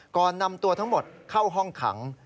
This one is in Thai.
ก่อนนำตัวทั้งหมดเข้าห้องขัง